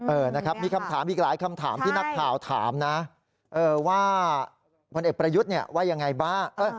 เออนะครับมีคำถามอีกหลายคำถามที่นักข่าวถามนะว่าพลเอกประยุทธ์ว่ายังไงบ้าง